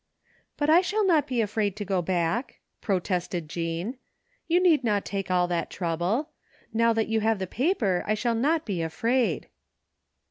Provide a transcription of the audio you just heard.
" But I shall not be afraid to go back," protested Jean. " You need not take all that trouble. Now that you have the paper I shall not be afraid."